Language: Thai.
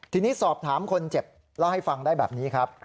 ทีนี้สอบถามคนเจ็บเล่าให้ฟังได้แบบนี้ครับ